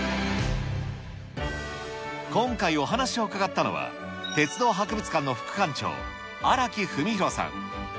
今回、お話を伺ったのは、鉄道博物館の副館長、荒木文宏さん。